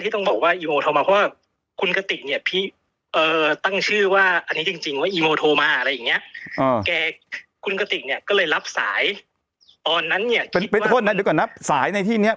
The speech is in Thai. แต่ต้องบอกว่าอีโมโทรมาเพราะว่า